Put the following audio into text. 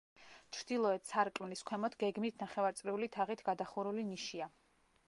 ჩრდილოეთ სარკმლის ქვემოთ გეგმით ნახევარწრიული თაღით გადახურული ნიშია.